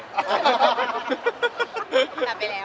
กลับไปแล้ว